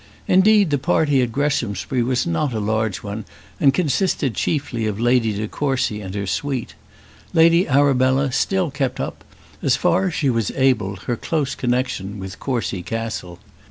Indeed, the party at Greshamsbury was not a large one, and consisted chiefly of Lady de Courcy and her suite. Lady Arabella still kept up, as far as she was able, her close connexion with Courcy Castle.